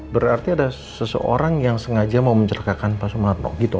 berarti ada seseorang yang sengaja mau mencerkakan pak sumarno gitu